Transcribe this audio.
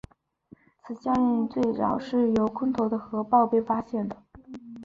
此效应最早是由空投的核爆被发现的。